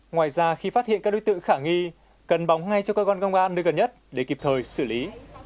ngoài ra khi phát hiện các đối tượng khả nghi cần bóng ngay cho cơ quan công an nơi gần nhất để kịp thời xử lý